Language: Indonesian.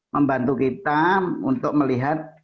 membantu kita untuk melihat